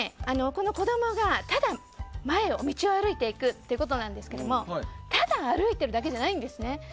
子供がただ、道を歩いていくということなんですけどもただ歩いているだけじゃないんですね。